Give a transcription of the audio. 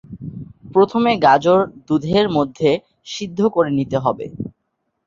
প্রথমে গাজর দুধের মধ্যে সিদ্ধ করে নিতে হবে।